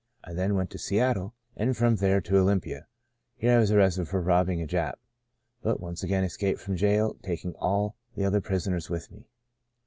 I then went to Seattle, and from there to Olympia. Here I was arrested for robbing a Jap, but once again escaped from jail tak ing all the other prisoners with me.